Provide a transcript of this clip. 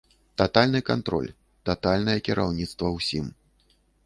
Татальны кантроль, татальнае кіраўніцтва ўсім.